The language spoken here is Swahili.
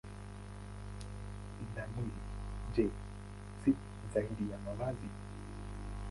Na mwili, je, si zaidi ya mavazi?